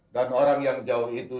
dan orang yang jauh itu